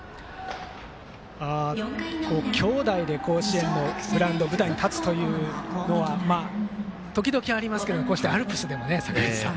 きょうだいで甲子園のグラウンド舞台に立つというのは時々ありますけどこうしてアルプスでも、坂口さん。